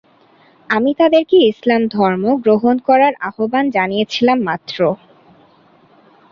আমি তাদেরকে ইসলাম ধর্ম গ্রহণ করার আহবান জানিয়েছিলাম মাত্র।